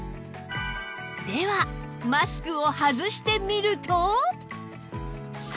ではマスクを外してみると